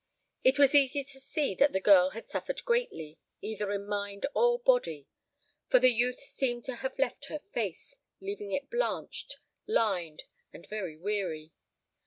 It was easy to see that the girl had suffered greatly, either in mind or body, for the youth seemed to have left her face, leaving it blanched, lined, and very weary.